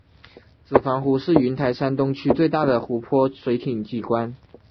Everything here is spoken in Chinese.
子房湖是云台山东区最大的湖泊水体景观。